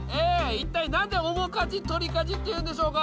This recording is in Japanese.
一体何で面舵取舵っていうんでしょうか？